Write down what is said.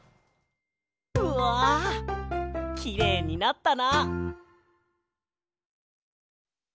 うわきれいになったな！